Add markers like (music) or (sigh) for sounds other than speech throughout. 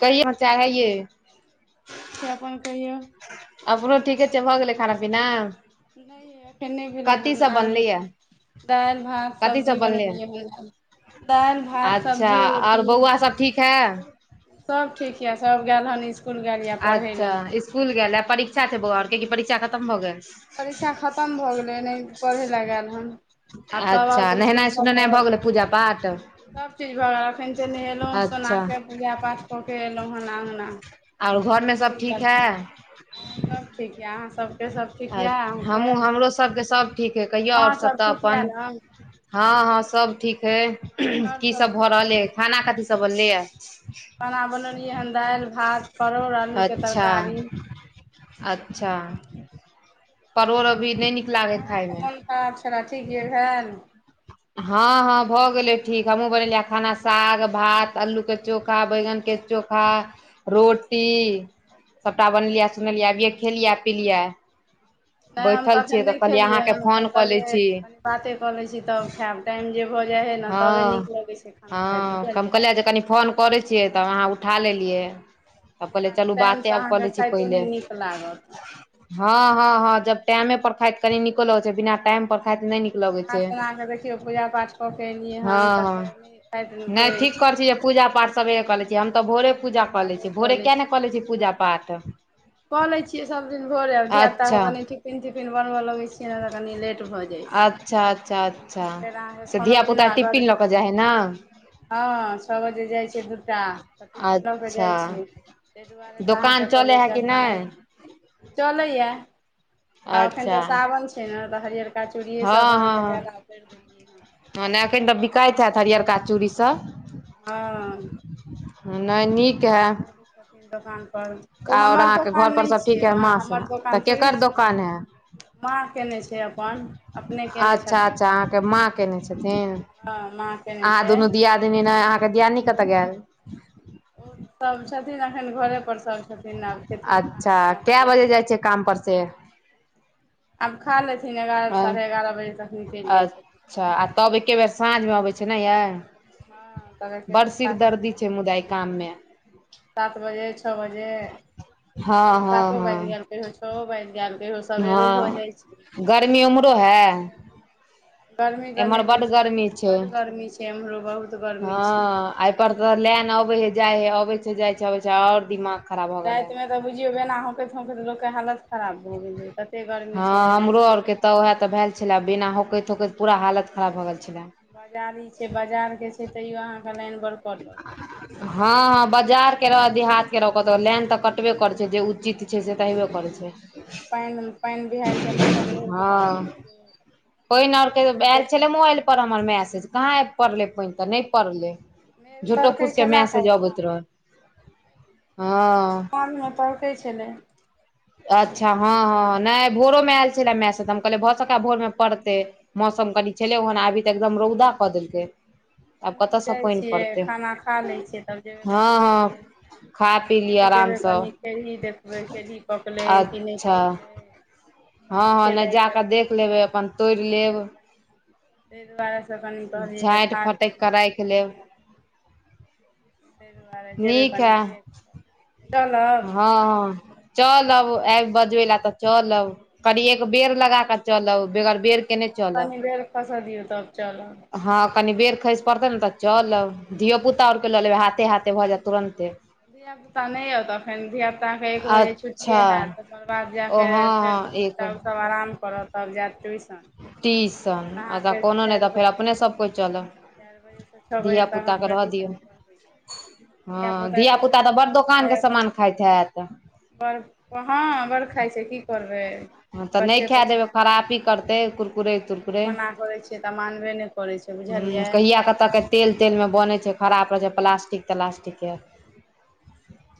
कहि मचा है ये। ठीक छैय अपन कहियौ। अपनो ठीके छैय भऽ गेलै खाना पीना नय यै एखन नहि भेलै कथी हन सब आब बनलै या हेतै। दालि भात कथी सब्जी सब बनलै बनलियै या हन। दालि भात अच्छा सब्जी रोटी। आओर बौआ सब ठीक है सभ ठीक य सभ गेल हन इसकुल गेल यए पढ़य अच्छा लए स्कुल गेल ए परीक्षा छैय बौआरके कि परीक्षा खतम भऽ गेल परीक्षा खतम भऽ गेलै नहि पढ़य लए गेल हन आब तब आउ अच्छा तऽ नहेनाइ सोनेनाइ भऽ गेलै पूजा पाठ सभचीज भऽ अखन ते नहेलौ सोना अच्छा कऽ पूजा पाठ कय अयलहुँ हन आङ्गना आओर घरमे सब ठीक है (unintelligible) हँ सब ठीक य अहाँ सबके आ हमहूँ हमरो सबके सब ठीक अइ कहियो माँ आओर सब सभ त ठीक यए अपन ने हँ हँ सब ठीक अई आओर की सब भऽ ठीक रहल अई छै खाना कथी सब बनलै या खाना बनौलियै हन दालि भात परोड़ आलूके अच्छा तरकारी अच्छा परोर अभी नै नीक लागत खायमे सा स ठी गि घन (unintelligible) हँ हँ भऽ गेलै ठीक हमहूँ बनेलिया खाना साग भात अल्लूके चोखा बैगनके चो खा रोटी सबटा बनेलिया सुनेलिया अभिए खेलिया पिलिया नै हम तऽ अखन नै खेलियै हँ कऽ लै कहलियै छी कनि बाते कऽ लै छी तब खायब टाइम जे भऽ जाइ है न तबे हँ नीक लगै छै खाना खाइऽ मे हँ हम बुझलियाय कहलियै जे कनि फोन करै छियै त अहाँ उठा लेलियै हम कहलिय बिना चलू बाते टाइमसँ आब कऽ अहाँके लै छी खाइतो पहिले नहि नीक लागत हँ हँ हँ जब टाइमे पर खाइत कनि नीको लगै छै बिना हँ टाइम पर खाइत नै नीक लगै नहा छै सोना कऽ देखियौ पूजा पाठ कऽ के एलियै हँ हन तऽ हँ नै खाइके ठीक क इच्छा लै नहि छी जे भेल पूजा तऽ पाठ कहलियै सबेरे क लै छि कनि हम तऽ भोरे पूजा कऽ ले बादे छी भोरे लै किया नै कऽ ले छी बात पूजा पाठ कऽ लै छियै सब दिन भोर आब धियापुता अच्छा के कनि टिफिन तिफिन बनबय लगै छियै न तऽ कनि लेट भऽ जाइ छै चाद चाद फेर आहाँ धिया पुता टिपिन लऽ कऽ जाय हइ न हँ छ बजे जाइ छै दूटा तऽ टिपिन लऽ कऽ अच्छा जाइ छै ताहि दुआरेसँ दोकान अहाँके चलै हइ कि नहि (unintelligible) आ एखन अच्छा तऽ सावन छै ने तऽ हरियरका हँ चूड़िएसभ अहाँके हँ ज्यादा भरि देलियै हँ हँ नै एखन तऽ बिकाइत हैत हरियरका चूड़ीसब हँ नै नीक हें तऽ रहै छथिन दोकानपर ओ हमर अहाँके घर दोकान पर नै सब छियै ठीक हइ ने माँ सब हमर तऽ दोकान थोड़े केकर छियै दोकान हइ माँ केने छै अपन अपने केने अच्छा छथिन अच्छा अहाँके माँ केने छथिन हँ माँ केने अहाँ छै दुनू दियादीनी नै अहाँके दियादनी कतऽ गेएल ओ सब छथिन एखन घरे पर सब छथिन आब खेथीन खाना उना तऽ कत कामपरसे आब खा लेथिन एगारह अ साढ़े एगारह बजे तक निकलि जाइ छथिन अच्छा आ तब एक बेर साँझमे अबै छै नै याए हँ तब एके बड़ बेर सात सिरदर्दी बजे छै मुदा यै काम मे सात बजे छ बजे हँ कहियओ हँ सातो बाजि हँ गेएल कहियओ छओ बाजि गेएल कहियओ हँ गर्मी उम्हरो हें गर्मी तऽ एम्हर नहि बड पूछू गरमी छै बड्ड गर्मी छै एम्हरो बहुत गर्मी छै हँ आ पर तऽ लेन अबै है जाय है अबै छै जाइ छै अबै छै आओर दिमाग खराब भऽ गेल हे रातिमे तऽ बुझियौ बेना होकैत हौकैत लोकके हालत खराब भऽ गेलै तते गर्मी हँ छलै लाइन हमरो कटि आरके गेएल तऽ उएह तऽ भेल छलए बिना होकैत होकैत पूरा हालत खराब भऽ गेल छलेए बाजारी छै बजार के छै तैयो अहाँ के लाइन बड़ कटत (inaudible) हँ हँ बाजार के रह देहात के रहो कतौ लाइन तऽ कटबे कर छै जे उचित छै से तऽ ताहिमे हेबे करै छै ताहिमे पानि पानि बिहाड़िके मौसम (inaudible) रहै छै हँ तऽ आओर बेसी पईन आरके तुरन्ते आयल छलै तुरन्ते मोबाइल पर हमर मैसेज कहाँ आब पड़लै पईन तऽ नय पड़लै मेघ झूठो तड़कै फूस के छलए कऽ मैसेज अबैत रहए हँ (unintelligible) पकै छलै अच्छा हँ हँ नय भोरो मे आयल छलाह मैसेज कहलिए भसका भोर मे पड़ते मौसम कनि छले ओहन आबी तऽ एकदम रौदा कऽ देलकै (inaudible) आब हमहूँ कतयसँ जाइ पानि छियै पड़तै खाना खा लै छियै तब जेबै हँ कनि हँ खेतै खा पी लिअ खेत जेबै आरामसँ कनी (inaudible) पकलै कि नइ अच्छा पकलै हँ पानि हँ नय छलै आइ जााकऽ काल्हि देख खेत लेबै अपन तोड़ लेब ताइ दुआरे से कनि कहलियै जे झाँटि खा फटकि लई छी (inaudible) कऽ राखि तहन जैब लेब ताहि दुआरे जेबै नीक कनि है देख कऽ चलब हँ हँ चलब ऐब बजबे ल तऽ चलब कनी एक बेर लगा चलब बेगर बेर के नय चलब कसा दियो तब चलब हँ कनि बेर खईस पड़ते ने तऽ चलब धियो पुता आर लऽ लेबै हाथे हाथे भऽ जात तुरन्ते धियापुता नय अउत अखन धियापुताके एक बजे छुट्टिए अच्छा हैत तकर बाद जा ओ हँ कऽ फेर एक हँ घंटा ओ सब आराम करत तब जाएत ट्यूशन टीसन ट्यूशन आ तऽ अहाँके कोनो नय तऽ फेर अपने सभ कोइ चलब चार बजेसँ छओ बजे तक अहाँ धियापुताके के रहऽ दियौ ट्यूशन पढ़बै छै हँ धियापुता तऽ बड़ दोकानके सामान खाइत हैत (inaudible) बड़ हँ बड़ खाइ छै की करबै बच्चे तऽ छै अहाँ ते कुरकुरे तुरकुरे करै छियै तऽ मानबे नहि करै छै हम्म बुझलियै कहिया कतऽ के तेल तेलमे बनै छै खराब रहै छै प्लास्टिक तलास्टिक के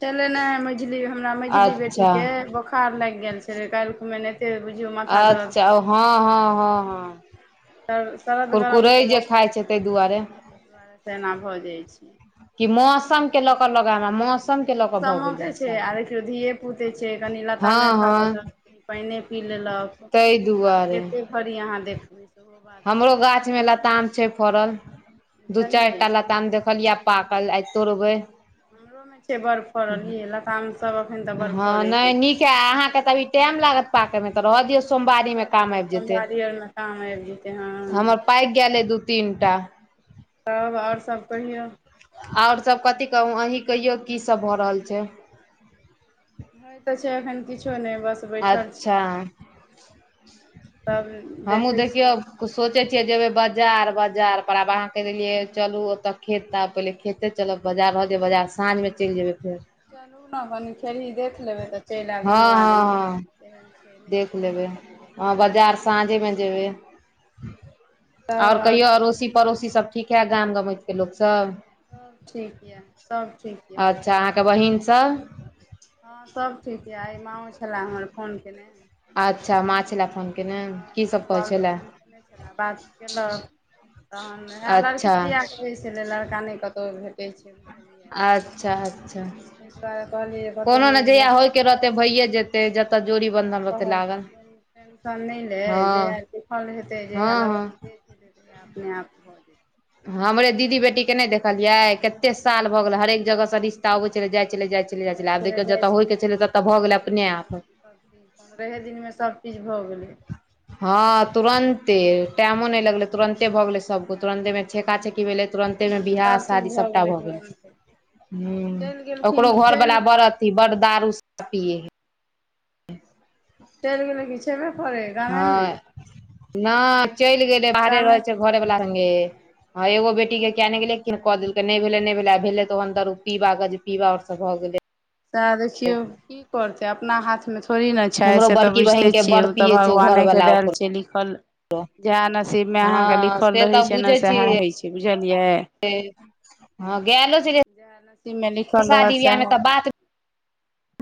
छलै ने मझली हमरा मझली बेटी अच्छा के बोखार लाईग गेल छलै काईलखुन ऐनाहि तें बुझुयो अच्छा ओ हँ हँ हँ हँ सरद गरम कुरकुरे के जे मौसम खाइ एहिना ताहि होए छै न दुआरे तऽ दुआरेसँ एना भऽ जाइ छै कि मौसम केेलकऽ लगए हमरा मौसम के लऽ कऽ भऽ मौसमोे गेलै के छै शायद आ देखियौ धियए पुते छै कनि हँ लतामे खा लेलक पाइने पी लेलक तेइ दुआरे कते घड़ी अहाँ देखबे सेहो बात हमरो छै गाछ में लताम छै फड़ल दू चार बुझलियै टा ल ताम देखलियै पाकल आइ तोड़बै हमरोमे छै बड़ फड़ल यै लतामसभ एखन तऽ बड़ हँ फड़ै हइ नय नीक ऐ अहाँके तब अभी टेम चलू लागत पाकय मे तऽ रहऽ दिऔ सोमवारी मे काम आइब जेतै (unintelligible) ते हँ हमर पाकि गेल अइ दू तीन टा तब ओर सब कहियो ओर सब कथी कहू अहीं कहियो की सब भऽ रहल छै होय तऽ छै एखन किछो नय अच्छा (inaudible) तब हम हुँ देखै देखियौ छियै की होइ सोचै छै, छियै जेबै बाज बाजार बाजार पर आब अहा के देलिये चलू ओते खेत त पहिले खेते चल। बजार रहतै बजार साँझ मे चलि जेबै फेर चलू ने कनि फेरही देख लेबै त चलि आयब दुनू हँ हँ आदमी केहन छै नहि देख छै लेबै हैं बाजार साँझेमे जेबै तब आओर कहियौ सभ अड़ोसी पड़ोसीसभ ठीक हए गाम गमैतके लोकसभ। सभ ठीक यए सभ ठीक यए अच्छा बड़ अहाँके नीक। बहिनसभ ह सभ ठीक यऽ एहि माँँ छलए हमर फोन कयने अच्छा माँ छेला फोन के हू ब नहि छलै बात केलक तहन हए अच्छा लड़कि दआ एहिसँ लेलऽ लड़का नहि कतहु भेटै छै बुझलियै अच्छा अच्छा। ताहि दुआरे कहलियै जे कतहु कोनो ने मिल जहिया जेतै होइके तऽ रहतै भइए देखियै जेतै जत जोड़ी बंधन रहतै लागल टेशन नहि ले जहिह हँ लिल हेते हँ जहि हँ लगन तेज हेतै तहिया अपने आप भऽ जेतै हमरे दीदी बेटीके नहि देखलियै के कते साल भऽ हँ गेल हरेक जगह ससँ रिश्ता अबै छलै जाइ छलै जाइ छलै जाइ छलै आब देखियौ जतऽ होइ छलै त त भऽ गेलै अपने आप। सभ पन्द्रहे दिनमे सभचीज भऽ गेलै ह तऽ तुरन्ते आबै छथिन टाइमो तऽ नहि लगले तुरन्ते भगवान भऽ गेले सभको तुरन्ते मे छेका छेकी भेलै तुरन्त। तेने बियाह सभ चीज शादी सभटा गेलै भऽ गेल तुरन्ते आ चलि ह ओकरो गेलखिन चलि घरवला व्रत बड़ दारू सा पियए है। चलि गेलै कि छेबे करै गाम मे हँ नहि चलि गेलै बाहरे रहै छै घरे अच्छा वला संगे। हँ एगो बेटी किजन की कऽ देलकै नहि भेलै नहि भेलै आ भेलै तऽ ओहन दरू पीबा गजपीबा और सभ भऽ गेले। त देखियौ कि करते अपना हाथ मे छै थोड़े ने छै हमरो से तऽ बड़की बुझिते बहिन के छियै बड़ ओ तऽ पिये छै घर भगवानेके वाला देल ओकरो छैयै लिखल जएह नसीबमे अहाँकेँ हँ लिखल से रहैत छै ने सएह होइत छै बुझलियै। ह गेलो छै जएह नसीब मे लिखल रहत सएह हैं। बात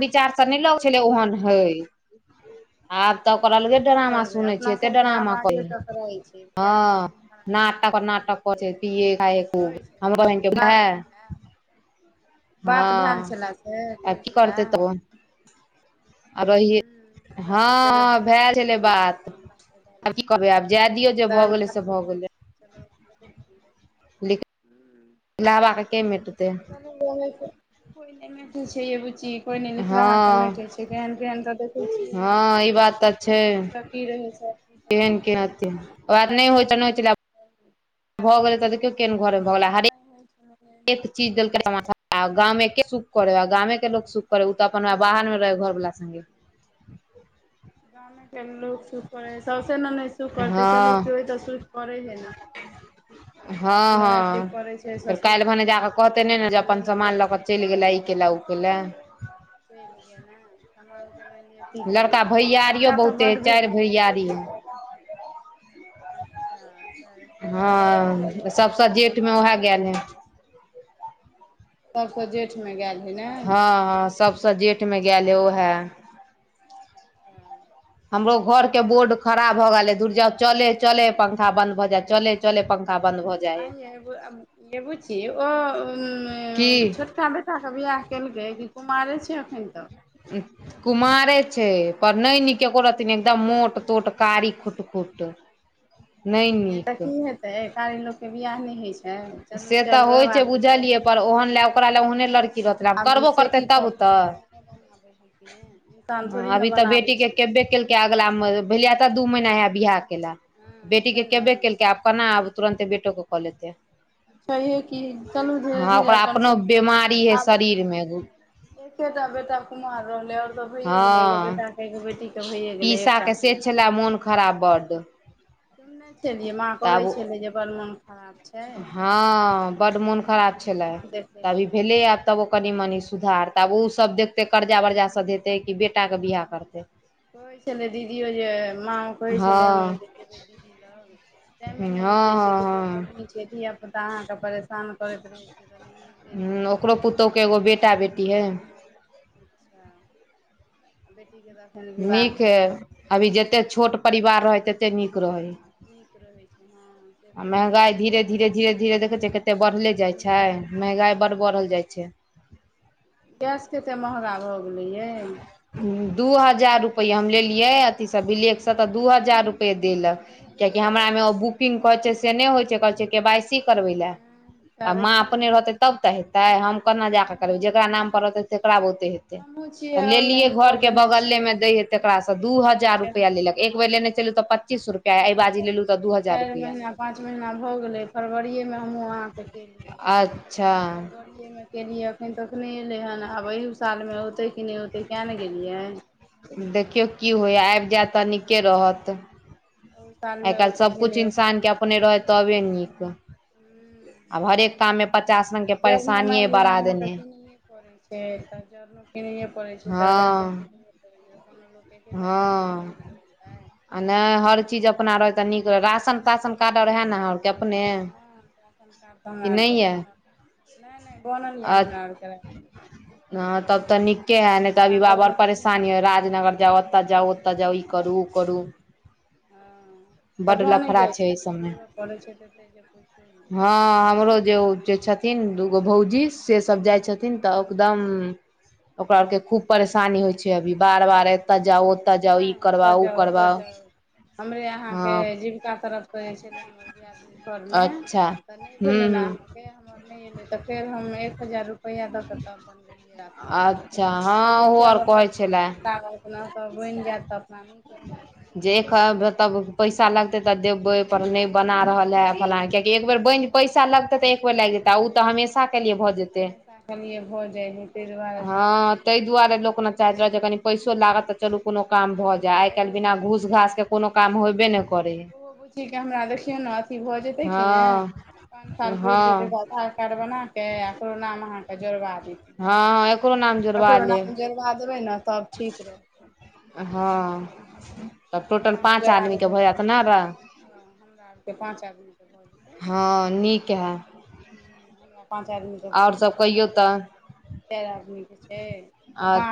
विचार सभ नहि लग छलै ओहन हय। आब तऽ ओकर से अलगे की ड्रामा करबै सुनै छै अपना एते सबके ड्रामा आवाजे कहहि टकराइ छै हँ। किया मौसम खराब छै नाटक तैं की नाटक करै छै की पिए खाए खूब कहै छले हमरा से बात होइये बात भेल हँ छले से आ कहै कि छले करतै तब ओ। ह रहै छै को कि करबै आब जाय दियौ जे भऽ गेलै से भऽ गेलै। चत पू ह लभ आ कैमेटू। कोइ नहि पूछय ये बुची। कोइ नहि लिखलाह क हँ मेटै छै केहन केहन तऽ देखै छियै हँ ई बात तऽ छै की सभ की रहै छै। की सब की केहन केात नहि हमरा त अपने होई छै नोचि ली। ह भऽ गेलै तऽ देखियौ केहन घरमे भऽ गेलै नहि होइ छै नहि होइ हरेक छै चीज देलकै समान सभटा गामे के सुख करे गामे के लोक सुख करे उ तऽ अपना सुख बाहर मे रहै करै घर वला सगे। गामे केँ लोक सुख करैय सौसे ननैद सुख करतै चलू हँ कियो तऽ सुख करै है न। (inaudible) सौस हँ ननैद सुख हँ करै छै फेर ससुर काल्हि सुख करै छै तऽ चलू भेलै न कोई चैल गेला ई केला उकेला चैल गेल न समान केँ माइनलिअ की करै लड़का छ भैयारियो खर्चा तऽ बहुते है बड भेलै (unintelligible) अच्छा सभसँ हँ सबसे ज्येष्ठ मे उहै गेल है सबसे जेठ में गेल। हइ ने हँ हँ सभ से जेठमे गेल है उहै तऽ हमरो घर केँ बोर्ड खराब भऽ गेले दूरजउ चले चले पंखा बद भऽ जाय चले चले पंखा बंद भऽ जाय। आयं ये बुची ओ (unintelligible) की छोटका बच्चा छोटका कऽ बियाह केलकै कि कुमारे छै अखन तक कुमारे छै पर नै नीक एको रति नै एकदम मोट तोट कारी खुट ओ तऽ यै तऽ की हेतै कारी लोक केँ बिआह नै होइ छै। चलू से तऽ चाइल होइ छै व्यवहार नीक बुझलियै रहते पर तब ओहन की लए ओकरा लए ओहने लड़की रहतै (inaudible) आब करबो से करतै की तब करबै तऽ भगवान (unintelligible) इंसान थोड़े अभी न तऽ बेटी बनाबै के छै। केबे केलकै अगला मे भेलिया तऽ दू महीना हे बियाह केेल हँ बेटी तै केँ ने केबे केलकै आब केना आब। तुरन्ते बेेटो कऽ कऽ लेतै छैहे कि चलू धीरे हँ धीरे ओकरा अपन अपनो सभ बेमारी हय (inaudible) आबै। शरीर मे (inaudible) एकेटा बेेटा कुमार रहलै और तऽ भइए गेलै एगो हँ बेटा केँ एगो बेटी केँ भइए गेलै एकटा कु छलै मोन खराब बड सुननै छै माँ कहै छेलै जे बड मुन खराब छै हँ बड्ड मोन खराब छलै (inaudible) तऽ अभी भेले‌ एब तब ओ कनि मनि सुधार तऽ आब हूँ उसब देखतै कर्जा वर्जा सब देतै कि बेटा केँ बिआह करतै कहै छलै दीदीयो जे माँ ओ कहै छलै हमर हँ जे जेबै दीदी लग टाइमे हँ नै मिलै छै कते हँ गर्मी छै धिया पुता अहाँ कऽ परेशान करैत रहे छै तऽ नहीये गेल हु ओकरो पुतौह केँ एगो बेटा बेटी हैय अच्छा (inaudible) बेटी कऽ नीक हेय अभी जतेक छोट परिवार रहै तते नीक रहै‌ हैय नीक रहै छै ह आ महंगाई धीरे धीरे धीरे धीरे देखै छियै कत्ते बरहले जाय बढ़िते छै रहै महंगाई बड बरहल नहि जाय छै (inaudible) गैस कते महंगा भऽ गेलै यै दू हजार रुपैया हम लेलियै अथी से बिलेक से तऽ दू हजार रुप पे देलक तऽ हेबे कियाकि हमरा करत ऐमे ओ बुकिंग कहै छै से नै होइ छै कहै छै केँ वाय सी करबै लै हँ (inaudible) तऽ आ माँ देखियौ अपने रहतै तब तऽ हेतै हम केना जाक करबै हमहूँ जेकरा नाम पर रहतै तेकरा बुते हेतै हमहूँ छियै लेलियै ऑनलाइन कऽ घर केँ देने बगले छियै मे आब दै है देखियौ तेकरा सऽ दू की होइ हजार छै हमरा रुपया तऽ लेलक कहिया एक बेर आबै लेने छै छैलिये तऽ हमर प चीस अहाँके रुपैया ऐ चारि बाजी हजार लेलु तऽ दू हजार चारि रुपया महीना पाँच महिना भ गेलै फरबरिये में हमहूँ अहाँ केँ केलयै अच्छा फरबरी ए मे केलियै अखन तखने एलै हन आब सालमे औतै कि नहि ओते क ने गेलियै देखियौ कि होय यै आएब जाएत तऽ नीके रहत आय सालमे काइल औतै कि सभकुछ नहि औतै इंसानके पता अपने नहि रहै तबे नीक हूँ आब हरेक काम मे पचास रंग के परेशनिए बड़ा देने परैय छै तऽ जड़नो किनैये पड़े छै तऽ गैसो पड़ै छै कोनो लोक एकेटा चीज ने यूज हैं करतै आ नहि दू हर दू चीज टा अपना रहै एना तऽ नीक रह राशन राशन कार्ड आर है ने आर अपने। हैं राशन कार्ड तऽ कि हमरा आरके नहि यै बनल नहि नहि बनल यऽ हमरा आरके राशन कार्ड तऽ ह तब तऽ निके है नहि तऽ अभि बाड़ बड़ तीनू परेशानी हैं आदमी राजनगर जाउ ओतऽ जाउ ओतऽ जाउ ई करू ऊ बनल करू यए। हँ तऽ बड्ड भऽ नहि लफड़ा जाइ छै एहि सभमे दौड़य पड़ै छै ततेक जे पूछू नहि हैं हमरो दौड़ैत जे दौड़ैत उजे कऽ कऽ छथि तीन काज बुझा दुगो लग भौज। जी से सभ जाय छथिन त अकदम ओकरा आर के खूब बुझि परेशानी होय छै अभी बार बार एत जाउ ओ त नहि ओतय जाउ ओतय जाउ हमरे अहाँकेँ हँ जीविका तरफ परै छैले हमर काए घरमे अच्छा तऽ नहि हूँ भेलै ने हूँ अहा फेर हमर नहि एलै तऽ फेर हम एक हजार रुपैया दऽ क तब बनबेलियै राशन कार्ड अच्छा हँ कहलिये ओहो आर चलए कहै जाय छलै छिये अपना सभ बनि जायत तऽ अपना नीक रहत जे कहबै तब पैसा बुझलियै लगते तऽ देबै पर नहि बना रहल है फलांय कियाकि। एक बेर बैनज पैसा लगते तऽ एक बेर लाएग जेते आ ऊ तऽ हमेशा के लिए भऽ जेतै हमेशा खलिए भऽ जाइ हई ताहि दुआरे से अपन हँ ताहि दुआरे लोक न चाहैत रहल जे कनी पैसो लागत तऽ चलु कोनो काम जाय हमरा आइ ओ काल्हि बिना घूस घास के कोनो काम ओ होयबे नहि करै ह। अी भऽ जेते की ने पाच साल पुर जेते के हँ आधार कार्ड बना के एककरो नाम अहा। तऽ जोड़बा दी हँ एकरो नाम जोड़बा एकोगो लेब नाम जोड़बा देबै ने तब ठीक रह हैं तब ओकरो टोटल नाम पाँच जोड़ा आदमीके देबै भई राइत ना रऽ हमरा आरके पाँच आदमी के भऽ जेतै हैं नीक हैत हमरा पाँच सभ आदमीके कहियौ चारि आदमीके छै आ। माँ